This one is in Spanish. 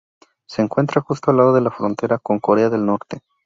Se encuentra justo al lado de la frontera con Corea del Norte.